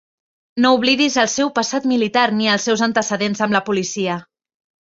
No oblidis el seu passat militar ni els seus antecedents amb la policia.